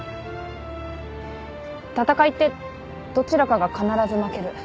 戦いってどちらかが必ず負ける。